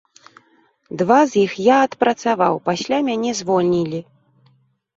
Два з іх я адпрацаваў, пасля мяне звольнілі.